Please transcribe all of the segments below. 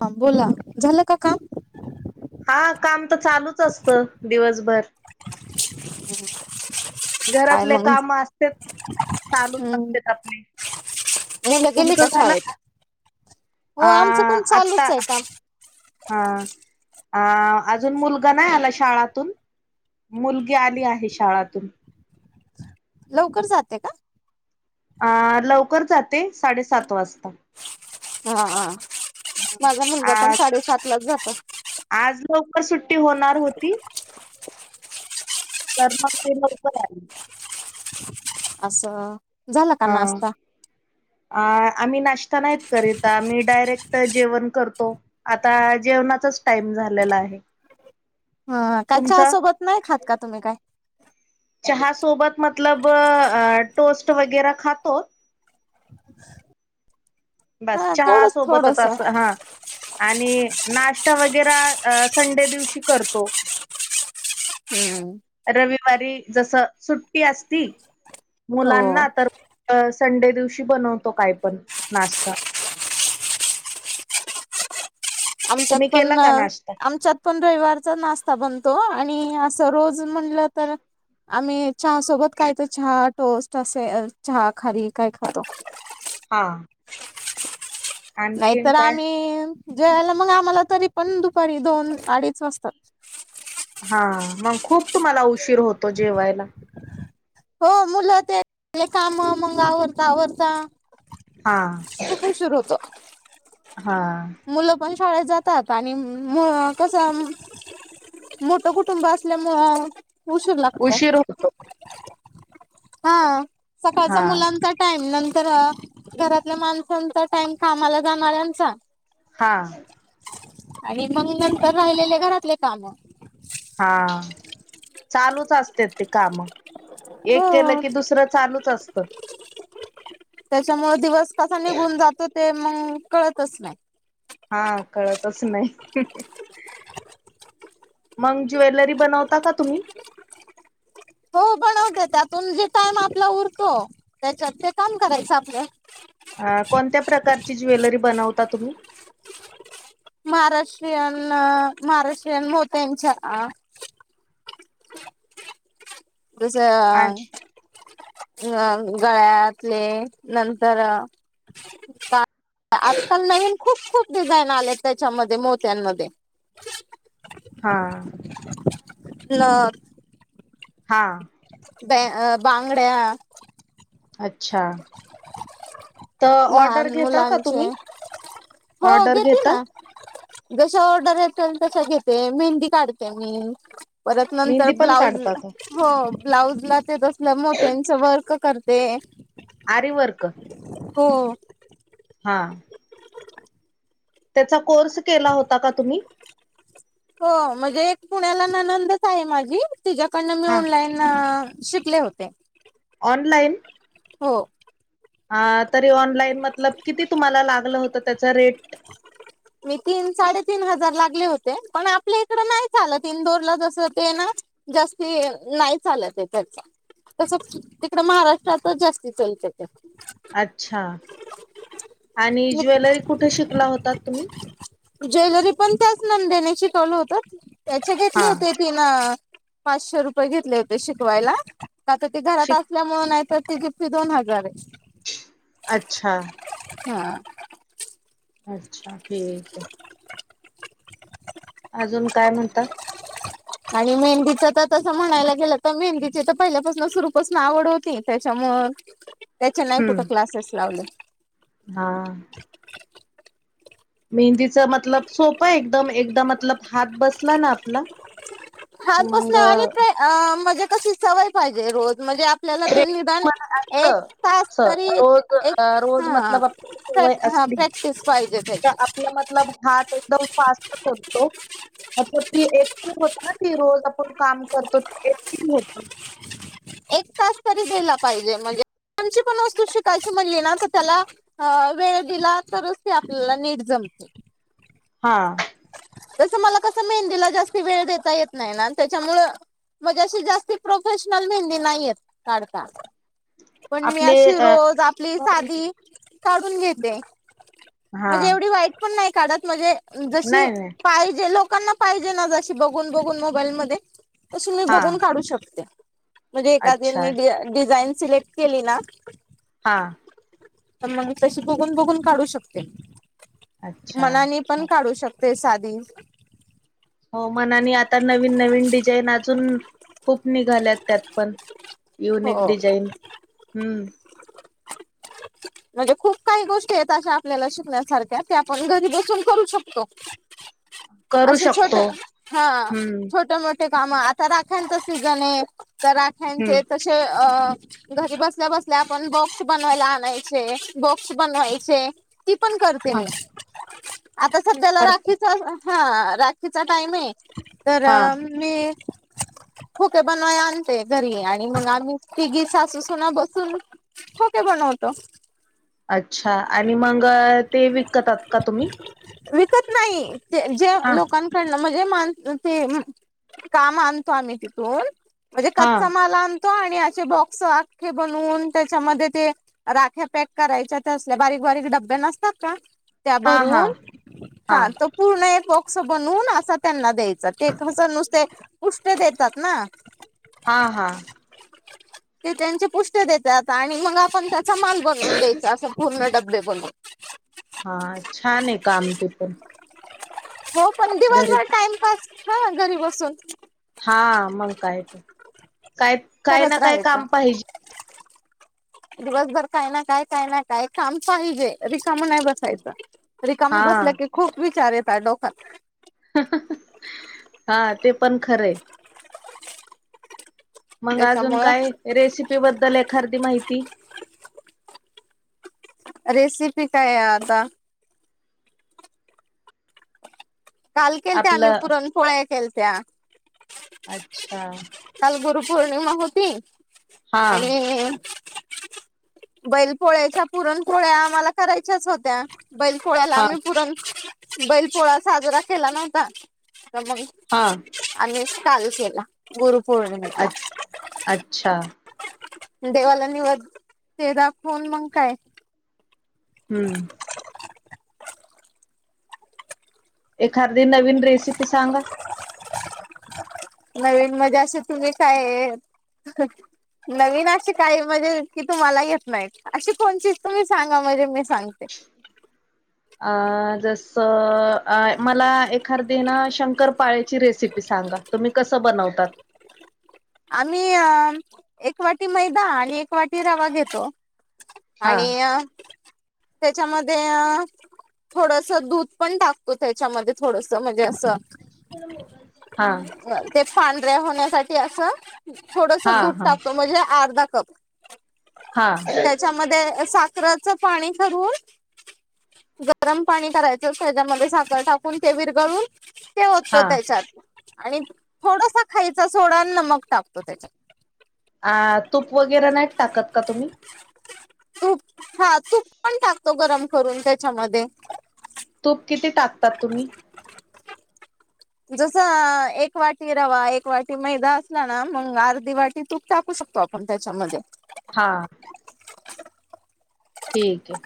हां बोला,, झालं का काम? हा काम तर चालूच असतं, दिवसभर. काय घरातले मग काम असतेत, चालू हम्म लागते आपली. मुलं गेली तुमचं झालं शाळेत का,,, हो अ आमचं पण आत्ता. चालूच आहे काम हा अ अजून मुलगा नाही आला शाळातून? मुलगी आली आहे शाळातून. लवकर जाते का? अ लवकर जाते, साडेसात वाजता. हा हा,, हम्म माझा मुलगा पण आज साडेसात लाच जातो. आज लवकर सुट्टी होणार होती तर मग ते लवकर आली. असं, झाला का ना हा नासता.? अ आम्ही नाश्ता नाहीत करीत,, आम्ही डायरेक्ट जेवण करतो. आता जेवणाचाच टाईम झालेला आहे. हं, काय च्या तुमचा सोबत नाही खात का तुम्ही काय? चहा सोबत मतलब, अ टोस्ट वगैरा खातो. [inaudible] बस चहा तेवढंच सोबतच थोडस असं, हा. आणि नाश्ता वगैरा,, अ संडे दिवशी करतो. हम्मम. रविवारी जसं सुट्टी असती, हो मुलांना तर अ संडे दिवशी बनवतो काय पण,, नाश्ता. आमच्यात तुम्ही केला पण, का नाश्ता आमच्यात पण रविवारचा नाश्ता बनतो, आणि असं रोज म्हणलं तर आम्ही चहा सोबत काय तर चहा टोस्ट असे चहा खारी काय खातो. हा आणखीन नाहीतर काय आम्ही जेवायला मग आम्हाला तरी पण दुपारी दोन अडीच वाजतात. हा मग खूप तुम्हांला उशीर होतो जेवायला. हो मुलं ते काम मग आवरता आवरता हा खूप उशीर होतो. हा मुलं पण शाळेत जातात, आणि म कसं मोठं कुटुंब असल्यामुळं उशीर लागतो उशीर होतो हां हा सकाळचा मुलांचा टाईम नंतर घरातल्या माणसांचा टाईम कामाला जाणाऱ्यांचा हा आणि मग नंतर राहिलेले घरातले कामं हा चालूच असते ते कामं एक केलं हो की दुसरं चालूच असतं त्यांच्यामुळे दिवस कसा निघून जातो ते मग कळतंच नाही. हा कळतंच नाही. मग ज्वेलरी बनवता का तुम्ही हो बनवते त्यातून जे टाईम आपला उरतो, त्यांच्यात ते काम करायचं आपलं आ कोणत्या प्रकारची ज्वेलरी बनवता तुम्ही महाराष्ट्रीयन महाराष्ट्रीयन मोत्यांच्या आ [unintelligible] अ गळ्यातले नंतर अ आजकाल नवीन खूप, खूप डिझाईन आलेत त्यांच्यामध्ये मोत्यांमध्ये हा नथ हा ब अ बांगड्या अच्छा तर ऑर्डर लहान घेता, का मुलांचे तुम्ही हो ऑर्डर घेते घेता ना. जशा ऑर्डर येतील तशा घेते मेहंदी काढते मी परत नंतर मेहंदी पण ब्लाऊज काढता का हो ब्लाउजला तसलं मोत्यांच वर्क करते. आरीवर्क हो हा त्याचा कोर्स केला होता का तुम्ही हो म्हणजे एक पुण्याला नणंदच आहे माझी तिच्याकडनं हा ऑनलाईन शिकले होते. ऑनलाईन हो हा तरी ऑनलाईन मतलब किती तुम्हांला लागलं होतं त्याचा रेट मी तीन साडेतीन हजार लागले होते, पण आपल्या इकडं नाही चालत इंदोरला जस ते ना जास्ती नाही, चालत त्याचं तसं तिकड महाराष्ट्रातच जास्ती चालतय ते. अच्छा आणि ज्वेलरी कुठे शिकला होता तुम्ही ज्वेलरी पण त्याच नंदेणी शिकवल होत त्याचे घेतले हा होते तिनं पाचशे रुपये घेतले होते शिकवायला का तर ती घरात शिक असल्यामुळे नाही तर तिची फी दोन हजार ये. अच्छा हम अच्छा ठीक आहे. अजून काय म्हणता आणि मेहंदीच तर तसं म्हणायला गेलं तर मेहंदीची तर पहिल्यापासून सुरूपासून आवड होती त्याच्यामुळे त्याचे नाही कुठं हम्म क्लासेस लावले. हा मेहंदीचा मतलब सोप ये एकदम एकदम मतलब हात बसला ना आपला कि हात मग बसणे आणि ते अ म्हणजे कशी सवय पाहिजे रोज म्हणजे आप आपल्याला ते निदान प्रेमात एक असलं तास असं तरी रोज एक अ, रोज हा मतलब आपल्याला प्रॅ सवय हा असली प्रॅक्टिस पाहिजे त्याची हा तो एकदम फास्टच होतो. ती एकटी ना ती रोज काम करतो एकटी होत एक तास तरी घ्यायला पाहिजे म्हणजे कोणची पण वस्तू शिकायची म्हणली ना तर त्याला अ वेळ दिला तरच ती आपल्याला नीट जमते. हा तसं मला कसं मेहंदीला जास्त वेळ देता येत नाही ना त्याच्यामुळं म्हणजे अशी जास्ती प्रोफेशनल मेहंदी नाही येत काढता. पण मी आपले अशी अ रोज आपली साधी काढून घेते. हा म्हणजे एवढी वाईट पण नाही काढत म्हणजे जशी नाही नाही पाहिजे लोकांना पाहिजे ना जशी बघून बघून मोबाईल मध्ये तस मी हा बघून काढू शकते म्हणजे एखादी अच्छा मी डिझाईन सिलेक्ट केली ना हां तर मग तशी बघून बघून काढू शकते अच्छा मनानी पण हा काढू शकते साधी हो मनाने आता नवीन नवीन डिझाईन अजून खूप निघाल्यात त्यात पण युनिक हो डिझाईन हम्म म्हणजे खूप काही गोष्टी आहेत अशा आपल्याला शिकण्यासारख्या ते आपण घरी बसून करू शकतो. करू असे छोटे शकतो हा हम्म छोटे मोट ते काम का आता राख्याचा सीजन ये तर हम्म राखयाचे घरी बसल्या बसल्या आपण बॉक्स बनवायला आणायचे बॉक्स बनवायचे ती पण करते हा मी आता सध्याला करते राखीचा हा राखीचा टाइम आहे तर हा मी खोके बनवाय आणते घरी आणि मग आम्ही तिघी सासू सुना बसून खोके बनवतो. अच्छा आणि मग ते विकतात का तुम्ही विकत नाही, ते ज्या हा लोकां कडनं म्हणजे मान ते काम आणतो आम्ही तिथून. म्हणजे हा कच्चामाल आणतो आणि अशे बॉक्स आख्खे बनवून त्याच्यामध्ये ते राख्या पॅक करायच्या, त्या असल्या बारीक बारीक डब्या नसतात का? त्या हा हा भरून हा, तो पूर्ण एक बॉक्स बनवून असा त्यांना द्याय सर ते [unintelligible] नुसते पुष्ट देतात ना. हा, हा. ते त्यांचे पुष्टे देतात आणि मग आपण त्याचा माल बनवून द्यायचा असं. फूलणं डबडे गोल. हा, छान आहे काम ते पण. हो, पण घरी दिवसभर टाइमपास हं, घरी बसून. हा, मंग काय तर काय, काय करत ना काय राहायचा. काम पाहिजी. दिवसभर काय ना काय, काय ना काय काम पाहिजे, रिकामं नाही बस रिकाम हा बसलं की खूप विचार येताय डोकात. हा, ते पण खरंय. मग अजून त्याच्यामुळं काय? रेसिपी बद्दल एखार्धि माहिती. रेसिपी काय आहे आता? काल केलत्या आम्ही, आपलं पुरण पोळ्या केलत्या. अच्छा काल गुरुपौर्णिमा होती हा आणि बैल पोळ्याच्या पुरणपोळ्या आम्हाला करायच्याच होत्या. बैल पोळ्याला हा आम्ही पुरण बैल पोळा साजरा केला नव्हता, तर मग हा. आम्ही काल केला अ गुरुपौर्णिमेचा. अच्छा. देवाला निवद ते दाखवून, मंग काय? हम्म. एखार्धि नवीन रेसिपी सांगा. नवीन मजे अशे तुम्ही काय? नवीन अशे काही म्हणजे की तुम्हाला येत नाहीत. अशी कोणचीच तुम्ही सांगा, म्हणजे मी सांगते. अ... जसं आ मला एखार्दी ना शंकरपाळ्याची रेसिपी सांगा. तुम्ही कसं बनवतात? आम्ही अ... एक वाटी मैदा आणि एक वाटी रवा घेतो. हा आणि अ... त्याच्यामध्ये अ थोडसं दूध पण टाकतो, त्याच्यामध्ये थोडसं म्हणजे असं हां. ते फांडऱ्या होण्यासाठी असं हा थोडसं दूध हा टाकतो, म्हणजे अर्धा कप. आणि हा त्याच्यामध्ये साखराचं पाणी करून गरम पाणी करायचं, त्याच्यामध्ये साखर टाकून ते विरगळून ते ओततो हा त्याच्यात आणि थोडुसा खायचा सोडा अन नमक. टाकतो त्याच्यात. अ... तूप वगैरा नाहीत टाकत का तुम्ही? तूप हा तूप पण टाकतो, गरम करून त्याच्यामध्ये. तूप किती टाकतात तुम्ही? जसं एक वाटी रवा, एक वाटी मैदा असला ना, मग अर्धी वाटी तुप टाक कु शकतो आपण त्याच्यामध्ये. हा. ठीके.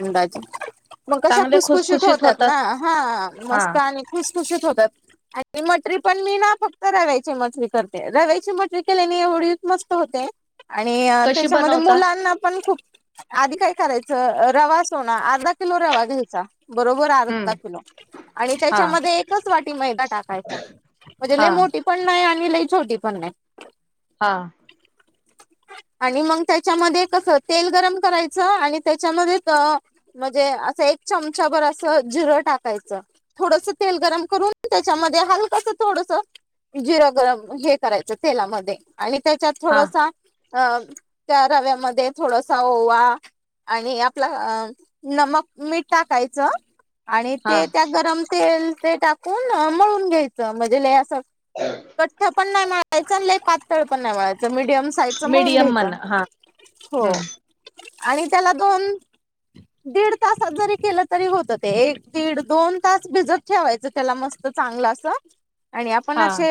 अंदाजे. मग कशा चांगले खुसखुशीत होत्यात होतात ना. हां, हा मस्त आणि खुसखुशीत होतात. आणि मटरी पण मी ना फक्त रव्याची मटरी करते. रव्याची मटरी केल्याने एवढी मस्त होते आणि अ कशी त्याच्यामध्ये बनवता मुलांनापण खूप आधी काई करायचं? अ रवा सोना अर्धा किलो रवा घ्यायचा, बरोबर अर्धा हम्म किलो. आणि हा त्याच्यामध्ये एकच वाटी मैदा टाकायचा. म्हजे लई हा मोठी पण नाई आणि लई छोटी पण नाई. हा. आणि मंग त्याच्यामध्ये कसं? तेल गरम कराय चं आणि त्याच्यामध्येच अ म्हजे असं एक चमचाभर असं जिरं टाकायचं. थोडसं तेल गरम करून, त्याच्यामध्ये हलकस थोडसं जिरं गरम हे करायचं तेलामध्ये. आणि त्याच्यात हा थोडसा अ त्या रव्यामध्ये थोडसा ओवा आणि आपला अ नमक मीठ टाकायचं. आणि हा ते त्या गरम तेल ते टाकून अं मळून घ्यायचं. म्हजे लय असं [inaudible] कठ्ठ पण नाई म्हळायचं आणि लई पातळ पण नाई मळायचं, मिडियम साईज च मळून मीडियम घ्यायचं. म्हणा हा हो, आणि त्याला दोन दीड तासात जरी केलं तरी होतं ते. एक दीड दोन तास भिजत ठेवायचं त्याला मस्त चांगलं असं. आणि आपण हा असे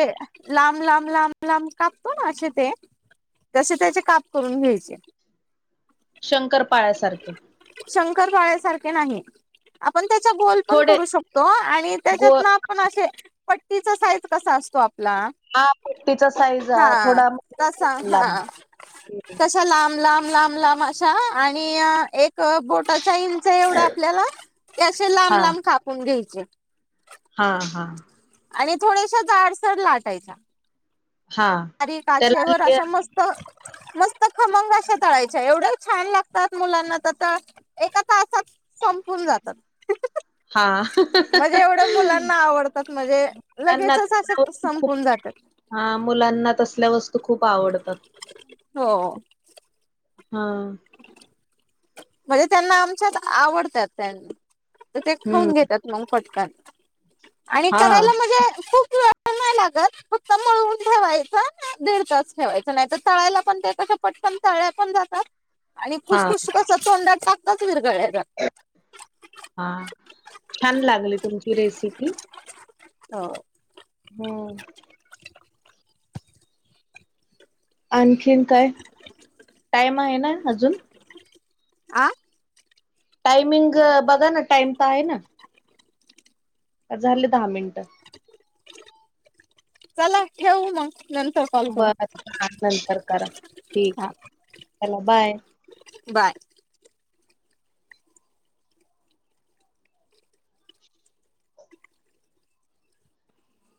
लांब लांब लांब लांब कापतो ना असे ते. तसे त्याचे काप करून घ्यायचे. शंकरपाळ्या सारखे शंकरळ्यासारखे नाही. आपण त्याचा गोल पण थोडे करू शकतो आणि गो त्याच्यात ना पण असे पट्टीचा साईज कसा असतो आपला, हा पट्टीचा साईज हा थोडा तसा. लांब हा. तशा लांब लांब लांब लांब अशा आणि एक बोटाच्या इं च एवढं आपल्याला ते असे लांब हा लांब कापून घ्यायचे. हा हा. आणि थोड्याशा जाडसर लाटायच्या. हा बारीक त्याला आचेवर आश्या लेअर मस्त मस्त खर खमंग अशा तळायच्या. एवढ्या छान लागतात मुलांना त. त एका तासात संपून जातात. हा म्हजे एवढं मुलांना आवडतात. म्हजे त्यांना लगेचच असं खूप संपून जातात. हा मुलांना तसल्या वस्तू खूप आवडतात. हो. हं. म्हजे त्यांना आमच्यात आवडतात त्यांन् त ते खाऊन घेत हम्म त्यात मं फटकन आणि हा करायला म्हजे खूप वे पन नाय लागत. फक्त मळून ठेवायचं, दीड तास ठेवायच. नाहीतर तळायला पण ते क पटकन तळल्या पण जातात आणि हा खुसखुशीत अस तोंडात टाकताच विरगळल्या जातात. हा, छान लागली तुमची रेसिपी. हो. हो. आणखीन काय? टाइम आहे ना अजून? आं? टायमिंग बघा ना टाइम त आहे ना? झाले दहा मिन्टं. चला ठेवु मंग नंतर कॉल करू बरं बर नंतर करा ठीक हा ए, चला बाय. बाय.